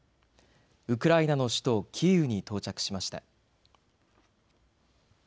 ウクライナの首都キーウに到着しました。